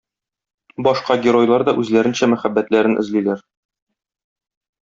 Башка геройлар да үзләренчә мәхәббәтләрен эзлиләр.